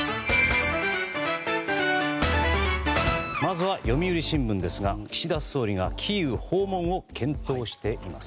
まずは読売新聞ですが岸田総理がキーウ訪問を検討しています。